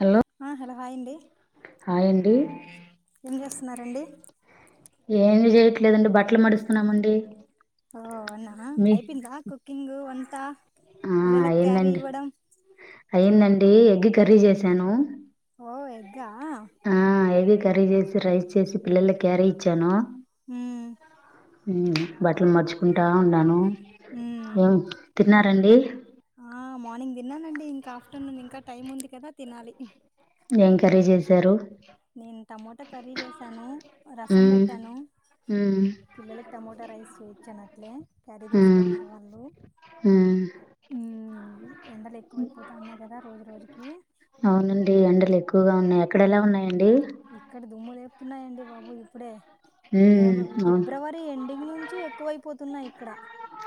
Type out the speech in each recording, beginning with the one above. Hello ఆ hello hi అండి hi అండి ఏం చేస్తున్నరండి ఏమి చేయట్లేదండి బట్టలు మడుస్తున్నామండి ఓ అవునా మీ అయిపోయిందా కుకింగ్ వన్ త్త ఆ అయిందండి అయిందండి ది ఎగ్ కర్రీ చేసాను ఎగ్ కా ఆ ఎగ్ కర్రీ చేసి రైస్ చేసి పిల్లలకు క్యారీ ఇచ్చాను మ్మ్ బట్టలు మాడ్చుకుంటా ఉన్నాను మ్మ్ ఏం తిన్నారండి నేను తిన్నానండి ఇంకా ఆఫ్టర్నూన్ ఇంకా టైం ఉంది కదా తినాలి ఎంకరేజ్ నేను టమోటా కర్రీ చేసాను రసం ఉమ్ పెట్టాను ఉమ్ పిల్లలకి టమోటా రైస్ చేయ చనట్లే క్యారిగీస్క ఉమ్ వెళ్ళారు వాళ్ళు ఉమ్ ఎండలు ఎక్కువైపోతూ ఉన్నాయి కదా రోజు రోజుకి ఇక్కడ ఎలా ఉన్నాయి ఇక్కడ దుమ్ములే వతున్నాయండి బాబు ఇప్పుడే ఉమ్ అవును ఫిబ్రవరి ఎండింగ్ నుంచి ఎక్కువై పోతున్నాయి ఇక్కడ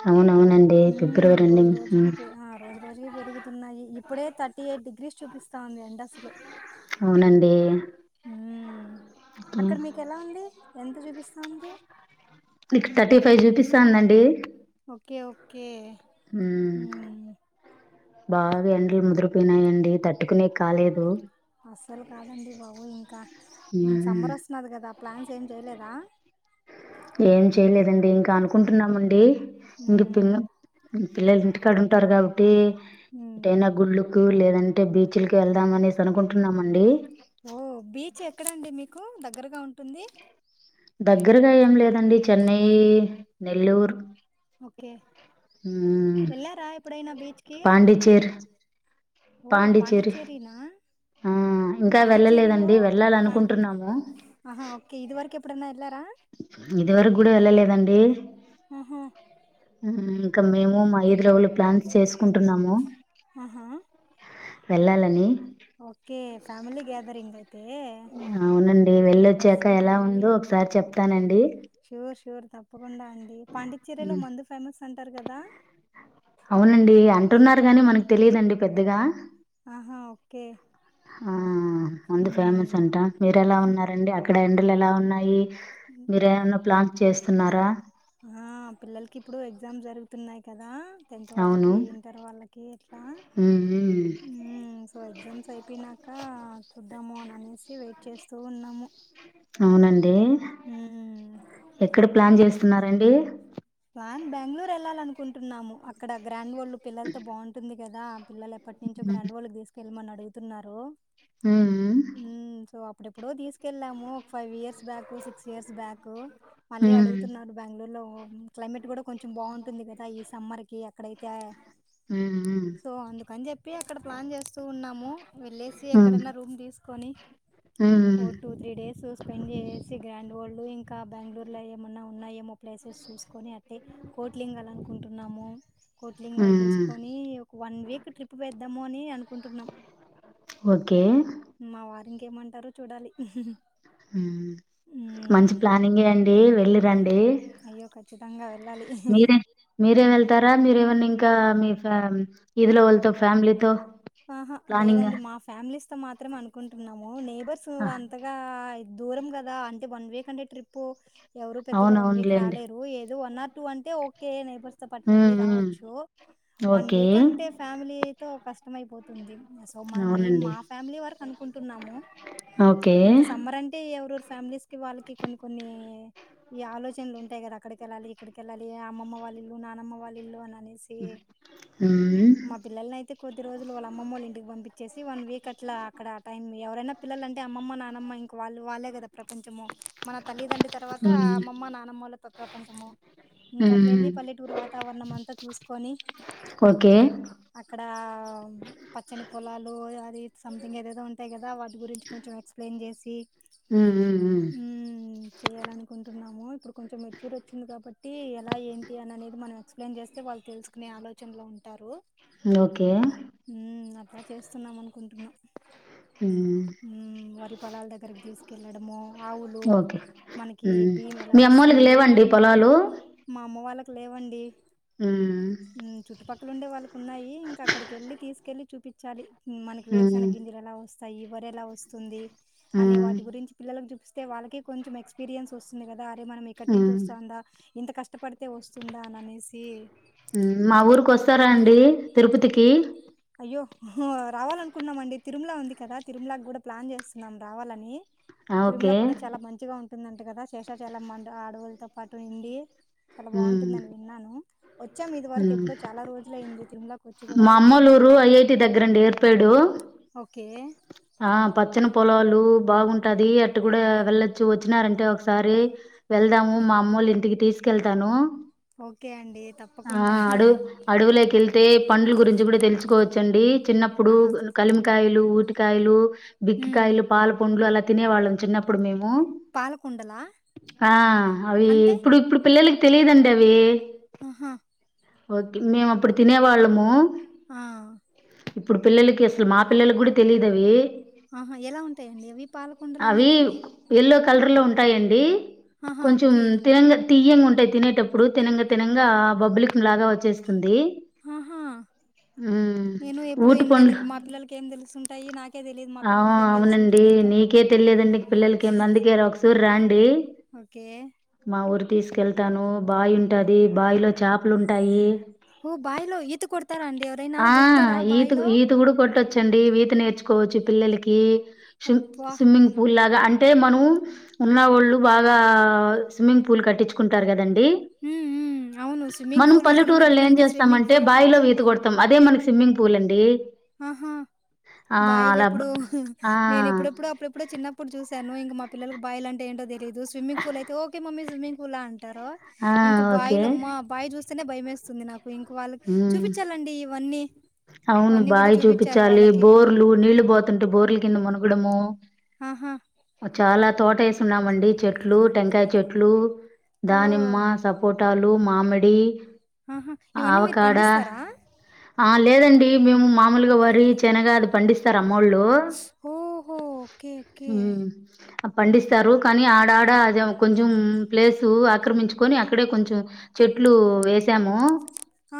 అవునవునండి మ్మ్, ఫిబ్రవరి రోజు ఎండింగ్ రోజుకి పె- ఆ, రోజు పెరుగుతున్నాయి ఇప్పుడే థర్టీ ఎయిట్ డిగ్రీస్ చూపిస్తాంది ఎండా అసలు అవునండి మ్మ్. అక్కడ మీకు ఎలా ఉంది ఎంత చూపిస్తుంది నీకు థర్టీ ఫైవ్ చూపిస్తా అందండి ఓకే ఓకే హ్మ్మ్ మ్మ్. బాగా ఎండలు ముదురిపోయినాయండి తట్టుకునే కాలేదు అస్సలు కాదండి బాబు ఇంక క మ్మ్ సమ్మర్ వస్తున్నది కదా ప్లాన్స్ ఏం చేయలేదా ఏం చేయలేదండి ఇంకా అనుకుంటున్నామండి ఇంకా పి మ్మ్. పిల్లలు ఇంటికాడ ఉంటారు కాబట్టి మ్మ్. ఎటైనా గుల్లు స్కూల్ లేదంటే బీచ్ లకి వెళ్దాం అనేసి అనుకుంటున్నామండి ఓ బీచ్ ఎక్కడండి మీకు దగ్గరగా ఉంటుంది దగ్గరగా ఏం లేదండి చెన్నై నెల్లూర్ ఓకే వెళ్ళారా ఎప్పుడైనా బీచ్ కి పాండిచ్చేరి ఓ పాండిచ్చేరి నా ఆ ఇంకా వెళ్ళలేదండి పాండిచ్చేరిలోఆ వెళ్ళాలనుకుంటున్నాము హ ఇదివరకు ఇంకెప్పుడైనా ఎల్లారా ఇదివరకు కూడా వెళ్ళలేదండి ఉహూ ఇంకా మేము మా వీధిలో వాళ్లు ప్లాన్స్ చేసుకుంటున్నాము ఆహా వెళ్ళాలని ఓకే ఫ్యామిలీ గేదరింగ్ అయితే అవునండి నైబర్స్ వెళ్ళొచ్చాక ఎలా ఫ్యామిలీ ఉందో ఒకసారి చెప్తానండి తప్పు కుండా అండి పాండిచ్చేర లో ఉమ్, మందు ఫేమస్ అంటారు కదా అవునండి అంటున్నారు గాని మనకు తెలియదండి పెద్దగా ఆహా ఓకే ఆ అంది ఉమ్ ఫేమస్ అంట మీర ఎలా ఉన్నారండి అక్కడ ఇక్కడ ఎండలు ఎలా ఉన్నాయి మీరేమన్నా ప్లాన్ చేస్తున్నారా ఆ పిల్లలకి ఇప్పుడు ఎగ్జామ్స్ జరుగుతున్నాయి కదా టెన్త్ అవును వాళ్ళకి ఇంటర్ వాళ్ళకి ఎట్లా ఉమ్, ఉమ్. సో ఎగ్జామ్స్ అయిపో ప్పినక చు ద్దాము అని అనేసి వెయిట్ చేస్తూ ఉన్నాము అవునండి ఉమ్ ఎక్కడ ప్లాన్ చేస్తున్నారండి బన్ బంగళూరు వెళ్ళాలినుకుంటున్నాము అక్కడ గ్రాం డ్ వరల్డ్ పిల్లలతో బాగుంటుంది గదా పిల్లలు ఎప్పటి నుంచో గ్రాండ్ వరల్డ్ తీసుక వెళ్ళమని అడుగుతున్నారు ఉ ఉ అపుడెపుడో తీసుకెళ్ళాము ఒక five years back six years back మళ్ళీ ఉమ్, అడుగుతున్నారు బెంగళూరు లో ఓహో క్లైమేట్ కూడా కొంచెం బాగుంటుంది కదా ఈ సమ్మర్ కి అక్కడైతే కా ఉమ్, ఉమ్, సో అందుకని చెప్పి అక్కడ ప్లాన్ చేస్తూ ఉన్నాము వెళ్ళేసి ఉమ్. ఎక్కడైనా రూమ్ తీసుకు కొని హ్మ్ ఓ టూ త్రీ డేస్ స్పెండ్ చేసి గ్రాండ్ వల్డ్ ఇం ఇంకా బెంగళూరులో ఏమైన్నా ఉన్నాయ ఏమో ప్లేస్ కొని అట్టే కోట్లింగాలు అనుకుంటున్నాము కోట్లింగాలు హ్మ్ చూసుకొని ఒక వన్ వీక్ ట్రిప్ వెద్దాము అని అనుకుంటున్నాం ఓకే. మా వారి ఏమంటారో చూడాలి మంచి ఉమ్, ప్లానింగే అండి వెళ్ళి రండి చిచ్చతంగా మీరే మీరేమి వెళ్తారా మీరేమన్నా ఇంకా మీ ఇదిలో వాళ్ళతో ఫ్యామిలీతో ఆహా ప్లానింగా లేదండి మా ఫ్యామిలీస్ మాత్రం అనుకుంటున్నాము నే బస్సు ఆ! అంతగా దూరం కదా అంటే వన్ వీక్ అంటే ట్రిప్పు ఎవరు పెద్దగా వన్ వీక్ అవునవునులేండి. రాలేరు ఏ వన్ ఆర్ టూ అంటే ఓకే నైబర్స్ తోపాటు హ్మ్. వెళ్ళి హ్మ్. రావచ్చు వన్ ఓకే. వీక్ అంటే ఫ్యామిలీ తో కష్ ష్టమైపోతుంది సో మా మేము అవునండి. మా ఫ్యామిలీ వరకు అనుకుంటున్నాము ఓకే. ఇంకా సమ్మర్ అంటే ఎవరు ఫ్యామిలీస్ కి వాళ్ళకి కొన్ని కొన్ని ఈ ఆలోచనలు ఉంటాయి గదా అక్కడికెళ్ళాలి ఇక్కడికెళ్ళాలి అమ్మ‌మ్మ వాళ్ళ ఇల్లు నానమ్మ వాళ్ళ ఇల్లు అని అనేసి హ్మ్. మా పిల్లలనైతే కొద్దిరోజులు వాళ్ళ అమ్మమ్మ వోలింటికి పంపించేసి వన్ వీక్ అట్లా అక్కడ ఆ టైం ఎవరైనా పిల్లలు అంటే అమ్మమ్మ నానమ్మ ఇంకా వాళ్ళు వాళ్ళే కదా ప్రపంచము మన తల్లిదండ్రి తర్వాత హ్మ్. అమ్మమ్మ నానమ్మల ప్రపంచము ఇంక అట్ల హ్మ్. యెలి పల్లెటూరు వాత వాతావరణం అంతా చూసుకొని ఓకే ఆ పచ్చని పొలాలు అది సంథింగ్ ఏదేదో ఉంటాయి కదా వాటి గురించి కొంచెం ఎక్స్ప్లెయిన్ చేసి ఉమ్ ఉ ఉమ్ ఎమ్ చేయాలనుకుంటున్నాము ఇప్పుడు కొంచెం మెచ్యూర్ వచ్చింది కాబట్టి ఎలా ఏంటి అని అనేది మనం ఎక్స్ప్లెయిన్ చేస్తే వాళ్ళు తెలుసుకో నే ఆలోచనలో ఉంటారు హ్మ్. ఓకే. ఉమ్ అట్లా చేస్తున్నామను కుంటూనా హ్మ్. ఉమ్ వారి పొలాల దగ్గరకి తీసుకు కలాడుమ ఆవులు ఓకే. మనకి హ్మ్. బీమి ఎలా మీ అమ్మోళ్ళకి వస్తాయి లేవండి పొలాలు? మా అమ్మ వాళ్ళకి లేవండి ఉమ్ మ్మ్ చుట్టుపక్కల ఉండే వాళ్ళకు ఉన్నాయి అక్కడికి ఎల్లి తీసుకెళ్లి చూపించాలి ఉమ్ మనకి వేరుసన ఉమ్ గింజలు ఎలా వస్తా ఈ వర ఎలా వస్తుంది అనే ఉమ్ వాటి గురించి పిల్లలకు చూపిస్త త వాళ్ళకి కొంచం ఎక్స్పీరియన్స్ వస్తుంది కదా మనం ఇక్కడి నుంచి ఉమ్ వస్తుందా ఇంత కష్టప ప్యాడ్ ఉమ్ మా ఊరికి వస్తారా అండి తిరుపతికి అయ్యో హా రావాలనుకుంటనామండి తిరుమల ఉంది కదా తిరుమలకి కూడా ప్లాన్ చేస్తున్నాం రావాలని ఆ తిరుముల ఓకే కూడా చాలా మంచిగా ఉందంట కదా శేషాచాల మ ఆడవులతో పాటు ఉండి చాలా ఉమ్ బాగుంటుందని విన్నాను వోచ్ చ్చ మీది వర ఉమ్ ఎడ చాల రజులు అ్యంది తిరులకి మా అమ్మలూరు ఐఐటి దగ్గరండి ఏర్పాేడు ఓకే ఆ పచ్చని పొలాలు బాగుంటది అట్టు కూడా వెళ్లచ్చు వచ్చినారంటే ఒకసారి వెళ్దాము ఓకే మా అమ్మళ్ళ ఇంటికి థీస్ కెళ్తాను ఓకే అండి ఆ తప్పకుండా అడు అడవులోకి వెళ్తే పండ్ల గురించి కూడా తెలుసుకోవచ్చండి చిన్నప్పుడు ఆహా కలిమకాయలు కాయలు ఉమ్, బిక్కికాయలు పాల పండ్లు తినేవాళ్ళం చిన్నప్పుడు ఊ పాలకుండలా ఆ అవి అంటే ఇప్పుడు ఇప్పుడు పిల్లలకి తెలిదంటవే ఆహా ఓకే మేము అప్పుడు తినే వాళ్ళము ఆ ఇప్పుడు పిల్లలకి అసలు మా పిల్లలకి కూడా తెలిదువి ఆహా ఎలా ఉంటాయండి అవి పాలకుండలు అవి అనేటివి ఎల్లో కలర్ లో ఉంటాయండి ఆహా కొంచెం ఓకే తిన తియ్యంగా తినటప్పుడు తె తినంగా బబ్బులికి లాగా వచ్చేస్తుంది ఆహా నేను ఎప్పుడు ఊటు వినలేదు పంలు ఇంక మా పిల్లలకి ఏం తెలుసుంటాయి నాకే తెలియదు మా అవు పిల్లలకి ఏం అవునండి తెలుసుంటుంది ఇంకా నీకే తెలియదండి పిల్లలకి ఏ అందుకే ఒకసూరు రాం ఓకే తీసుకెళ్తాను బావి ఉంటుది బావిలో చేపలు ఉంటాయి ఓ బాయిలో ఈత కొడతారా అండి ఎవరైనా ఆ దూకుతారా ఈత బాయిలో ఈత కూడా కొట్టచ్చండి ఈత నేర్చుకో కోవచ్చు పిల్లలకి అబ్బా స్విమ్మింగ్ పూల్గా అంట అంటే మనం ఉన్నవాళ్ళు బాగా స్విమ్మింగ్ పూల్ కట్టించుకుంటారు కదండి ఉమ్ ఉమ్ అవును అ స్విమ్మింగ్ మనం పూల్ ఇక్కడున్న పల్లెటూరులో ఏం పిల్లలకి స్విమ్మింగ్ చేస్తామంటే పూల్ బావిలో ఈత కొడతాం అదే మనకి స్విమ్మింగ్ పూల్ అండి ఆహా బాయిల్ బ్ ఎప్పుడు ఆ! నేను ఎప్పుడెప్పుడు అప్పుడెప్పుడు చిన్నప్పుడు చూస్త స నువ ఇం మా పిల్లకి బయలుంట ఏంట తెయదు స్విమ్మింగ్ పూ అయితేఓకే మమ్మ స్విమ్మింగ్ పూలా అ ంటారు ఆ! ఇంకా ఓకే. బాయిలు అమ్మా బావి చూస్త స భయమేస్తుంది నాకు ఇంకో వాళ్ళకి హ్మ్. చూపించాలండి ఇవన్నీ బా గూడా చూపిచ్చాలి చూపించాలి వాళ్ళకి. బోర్లు నీళ్లు పోతుంటే బోర్లు కింద మనుగు మునగడము ఆహా! అ చాలా తోట వేసి ఉన్నామండి చెట్లు టెంకాయ చెట్లు దానిమ్మ ఓహ్! సపోర్ట్ పట్టలు మామిడి ఆహా ఇవన్నీ మీరు ఆవకాడా పండిస్తారా? ఆ లేదండి మేము మామూలుగా వ చెనగా అది పండిస్తారా అమ్మోళ్ళు ఓహో! ఓకే. ఓకే. పండిస్తారు కానీ ఆడాడ కొంచెం ప్లేసు ఆక్రమించుకొని అక్కడే కొంచెం చెట్లు వేసాము హ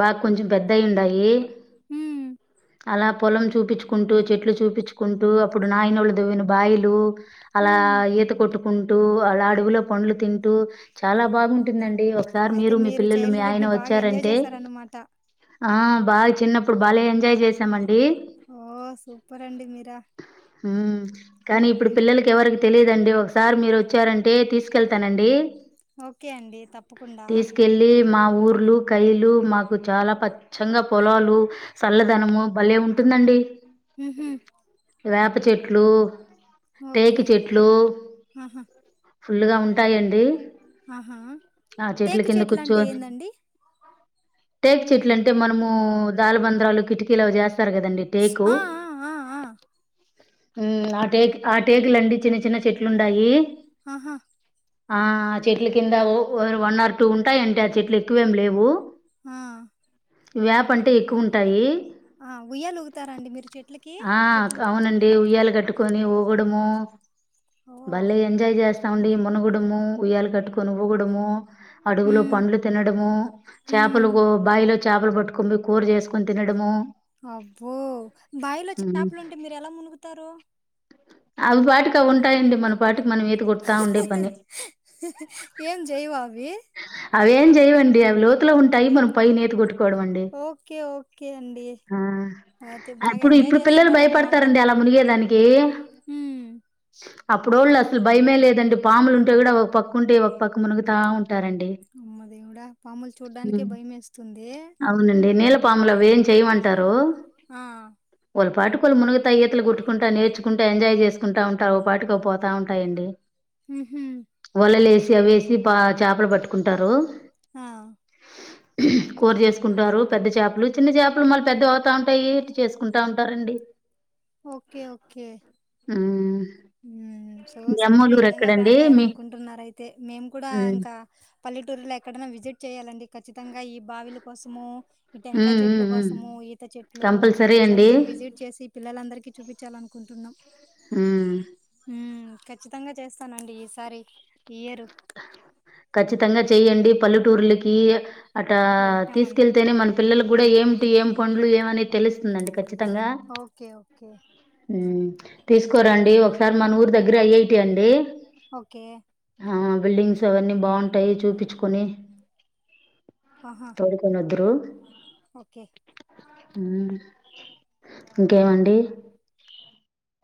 బాగా కొంచెం పెద్ద అయి ఉండయి హ అలా పొలం చూపించుకుంటూ చెట్లు చూపించుకుంటూ అప్పుడు నాయినోళ్ళు దవ్విన బాయలు అలా హ్మ్. ఈత కొట్టుకుంటూ అలా అడవులో పండ్లు తింటూ చాలా బాగుంటుందండి ఒకసారి మీరు మీ పిల్లలు, మీ చైల్డ్హుడ్ ఆయన ని బాగా ఎంజాయ్ వచ్చారంటే చేశారనమాట. ఆ బాగా చిన్నపుడు బల్లే ఎంజె ఓయ్ చేసాము అండి ఓహ్! సూపరండి మీర. కాని ఇప్పుడు మ్మ్ పిల్లలాకి యవరకి తేలియధు అండీ ఓక్సారే మీరు వచరన్టె తిస్కెల్తాను అండీ ఓకే అండి తప్పకుండా తి. వెళ్ళి మా ఊర్లు కలు మాకు చాల పచ్చ ప చల్లదనము భలే ఉంటుందండి ఉహు వేప చెట్లు టేక ఓకే చెట్లు ఆహా ఫుల్ గా ఉంటాయండి ఆహా ఆ ట చెట్ల ముకు కింద చెట్లా కూర్చో అంటే ఏందండి టేక్ చెట్లు అంటే మనము దాలబంద కికీలో చేస్త సారు కదండి టేకు ఆ ఆ ఆ ఆ ఉ ఆ టేక్ ఆ టేక్ లుండి చిన్న చిన్న చెట్లు ఉన్నాయి ఆహా ఆ చెట్ల కింద వన్ ర్ ఇటు ఉంటాయింటే ఆ చెట్లు ఎక్కువేం లేవు ఆ వేప అంటే ఎక్కువ ఉంటాయి ఆ ఉయ్యాలు ఊగుతారండి మీరు చెట్లకి చెట్లు అవునండి ఉయ్యాల కట్టుకొని ఊగడము ఓ బాలే ఎంజాయ్ చేస్త తౌండడి మునుగుడము ఉయ్యలు కట్టుకొని ఊగుడము అడుగులో ఉమ్ పండ్లు తినడము చేపలు ఉమ్ బావిలో చేపలు పట్టుక కూర చేసుకో కొని తినడము అబ్బో బావిలో ఉమ్. చేపలుంటే మీరు ఎలా మునుగుతారు. అవి పాటికి అవి ఉంటాయండి మన పాటికి మనం ఏది కొడతా ఉండే పని ఏం చేయవా అవి అవేం చెయ్యండి అవి లోతులో ఉంటాయి మనం పై నేత కొట్టుకు అండి ఓకే ఓకే అండి అయితే బాగా ఇప్పుడు ఎంజాయ్ ఇప్పుడు పిల్లలు చేస్తున్నారనమాట భయపడతారండి అలా మునిగేదానికి ఉమ్ అప్పుడోళ్ళు అసలు భయమే లేదండి పాములు ఉంటే కూడా ఒక పక్క ఉంటే ఒక పక్క మునుగుతా ఉంటా అవునం అమ్మ దేవుడా పాములు చూడ్డానికే భయం వేస్తుంది నలపా చేయంట ఆ ఎప్పుడు మునగతా ఈతలు కొట్టుకుంటా నేర్చుకుంటా ఎంజాయ్ చేసుకుంటా ఉంటారు అవి పాటికి అవి పోతా ఉంటాయండి. ఉహు వలలేసి అవి వేసి పా చేపలు పట్టుకుంటారు. ఆ కూర చేసుకుంటారు పెద్ద చేపలు చిన్న చేపలు మళ్ళీ పెద్ద అవుతా ఉంటాయి ఇ చేసుకుంటా ఉంటారండి. మ్మ్ ఉం సో మీ సమ్మర్ ఈ అమ్మోల్లూరు విధంగా ఎక్కడండి ప్లాన్ మీ చేయాలనుకుంటున్నారు అయితే మేము కూడా మ్మ్ ఇంకా పల్లెటూరుల్లో ఎక్కడైనా విజిట్ చేయాలా అండి ఖచ్చితంగా ఈ బావిల కోసము ఈ టెంకాయ మ్మ్ చెట్లు మ్మ్ మ్మ్ కోసము ఈత చెట్లు కంపల్సరీ అండి సంథింగ్ విజిట్ చేసి పిల్లలందరికీ చూపించాలిఅనుకు కుంటున్నాం ఆ ఉం ఖచ్చితంగా చేస్తానండి ఈసారి ఈ ఇయరు ఖచ్చితంగా చెయ్యండి పల్లెటూర్లకి అట్టా వెళ్తామండి తీసుకెళ్తేనే మన పిల్లలకు కూడా ఏమిటి ఏం పండ్లు ఏమనేది తెలుస్తుందండి ఓకే ఓకే ఉమ్మ్ తీసుకోరండి ఒకసారి మన ఊరు దగ్గర అయి అయి టీ అండి ఓకే బిల్డింగ్స్ అవన్నీ బాగుంటాయి చూపించుకొని ఆహా తోడ్కోని వద్దూరు ఓకే ఉమ్మ్ ఇంకేమండి